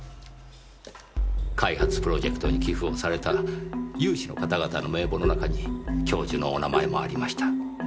開発プロジェクトに寄付をされた有志の方々の名簿の中に教授のお名前もありました。